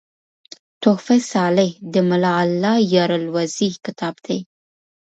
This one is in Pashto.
"تحفه صالح" دملا الله یار الوزي کتاب دﺉ.